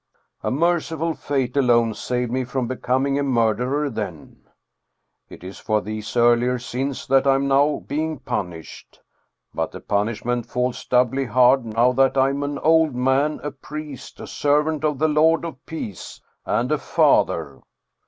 A merciful fate alone saved me from becoming a murderer then. It is for these earlier sins that I am now being punished, but the punishment falls doubly hard, now that I am an old man, a priest, a servant of the Lord of 295 Scandinavian Mystery Stories Peace, and a father!